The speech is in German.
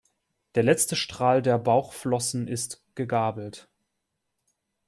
Der letzte Strahl der Bauchflossen ist gegabelt.